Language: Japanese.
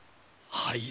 はい。